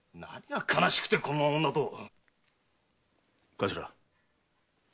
頭。